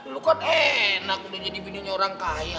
lo kan enak udah jadi pindahnya orang kaya